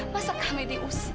masa kami diusir